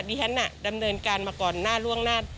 ฉันน่ะดำเนินการมาก่อนหน้าล่วงหน้า